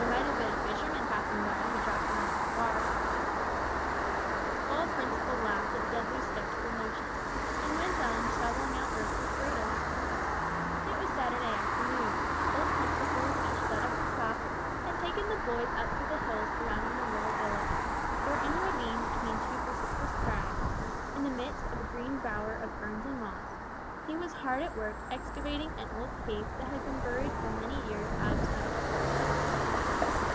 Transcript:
"There might have been a fishman passing by who dropped one out of his cart." Old Principle laughed at Dudley's sceptical notion, and went on shovelling out earth with great alacrity. It was Saturday afternoon: old Principle had shut up his shop and taken the boys up to the hills surrounding the little village, where in a ravine between two precipitous crags, in the midst of a green bower of ferns and moss, he was hard at work excavating an old cave that had been buried for many years out of sight.